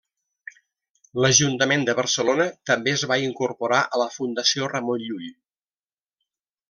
L'Ajuntament de Barcelona també es va incorporar a la Fundació Ramon Llull.